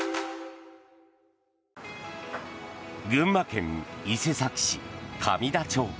群馬県伊勢崎市上田町。